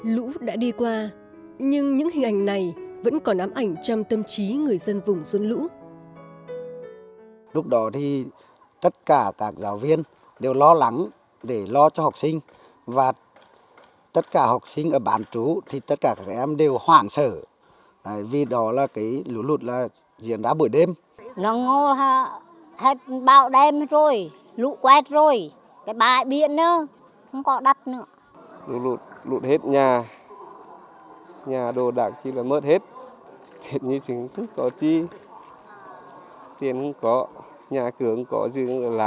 lũ đã đi qua nhưng những hình ảnh này vẫn còn nắm ảnh trong tâm trí người dân vùng xuân lũ